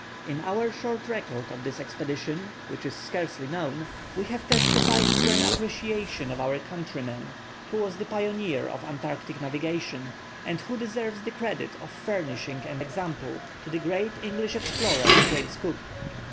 In our short record of this expedition, which is scarcely known, we have testified to an appreciation of our countryman, who was the pioneer of Antarctic navigation, and who deserves the credit of furnishing an example to the great English explorer, James Cook.